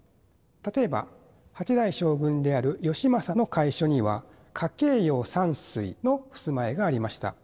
例えば８代将軍である義政の会所には夏珪様山水の襖絵がありました。